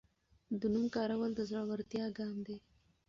د نوم کارول د زړورتیا ګام و.